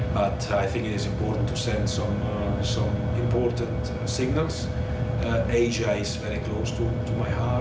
อย่างนั้นฉันจะเจอกันเซียนในอีกกว่านาน